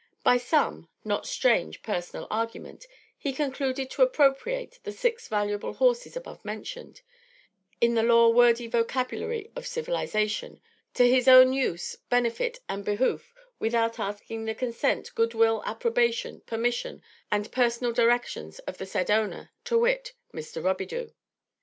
By some, not strange, personal argument, he concluded to appropriate the six valuable horses above mentioned, in the law wordy vocabulary of civilization, "to his own, use, benefit and behoof, without asking the consent, good will, approbation, permission and personal, directions of the said owner, to wit Mr. Robidoux."